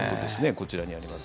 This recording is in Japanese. こちらにあります。